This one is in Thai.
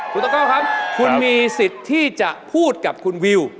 คุณตะเก้าครับคุณมีสิทธิ์ที่จะพูดกับคุณวิว